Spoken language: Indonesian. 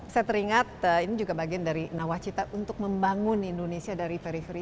saya teringat ini juga bagian dari nawacita untuk membangun indonesia dari perifer ini